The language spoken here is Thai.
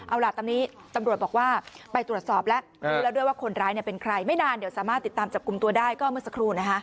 เอาล่ะตอนนี้ตำรวจบอกว่าไปตรวจสอบแล้วรู้แล้วด้วยว่าคนร้ายเป็นใครไม่นานเดี๋ยวสามารถติดตามจับกลุ่มตัวได้ก็เมื่อสักครู่นะคะ